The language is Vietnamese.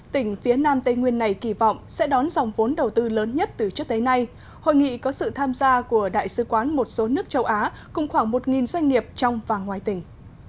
tỉnh phía nam tây nguyên này kỳ vọng sẽ đón dòng vốn đầu tư lớn nhất từ trước tới nay hội nghị có sự tham gia của đại sứ quán một số nước châu á cùng khoảng một doanh nghiệp trong và ngoài tỉnh